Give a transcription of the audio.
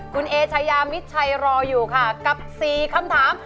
คุณเอชายามิดชัยรออยู่ค่ะกับ๔คำถาม